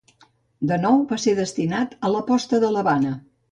De nou va ser destinat a la posta de l'Havana.